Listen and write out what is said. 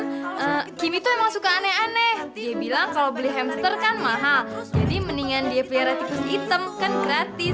nah kim itu emang suka aneh aneh dia bilang kalau beli hamster kan mahal jadi mendingan dia pelihara tikus hitam kan gratis